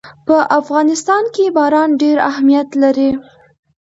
په افغانستان کې باران ډېر اهمیت لري.